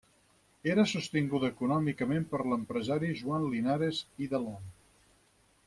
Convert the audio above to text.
Era sostinguda econòmicament per l'empresari Joan Linares i Delhom.